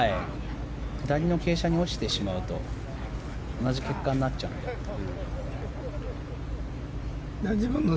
左の傾斜に落ちてしまうと同じ結果になるので。